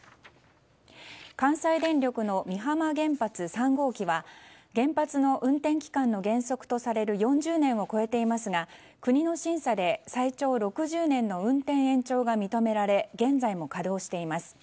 関西電力の美浜原発３号機は原発の運転期間の原則とされる４０年を超えていますが国の審査で最長６０年の運転延長が認められ現在も稼働しています。